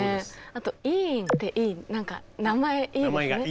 あと伊尹って何か名前いいですね。